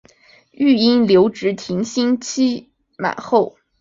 育婴留职停薪期满后